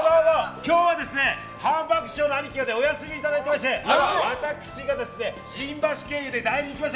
今日は、ハンバーグ師匠がお休みをいただいてまして私が新橋経由で代理できました。